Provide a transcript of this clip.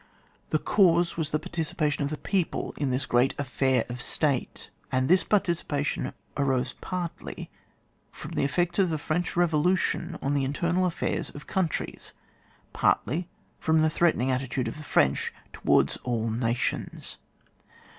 The cause was the participation of the people in this great affair of State, and this participation arose partiy from the effects of the French Bevolution on the internal affairs of coimtries, partly from the threatening attitude of the French towards all nations.